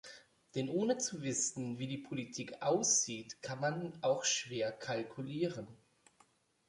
Denn ohne zu wissen, wie die Politik aussieht, kann man auch schwer kalkulieren.